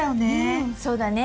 うんそうだね。